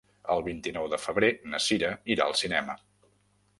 El vint-i-nou de febrer na Sira irà al cinema.